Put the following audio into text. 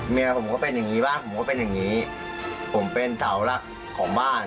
เมียผมก็เป็นอย่างงี้บ้านผมก็เป็นอย่างนี้ผมเป็นเสาหลักของบ้าน